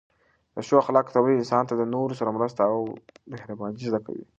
د ښو اخلاقو تمرین انسان ته د نورو سره مرسته او مهرباني زده کوي.